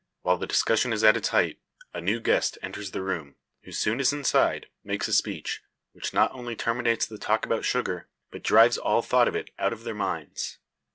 While the discussion is at its height a new guest enters the room; who, soon as inside, makes a speech, which not only terminates the talk about sugar, but drives all thought of it out of their minds.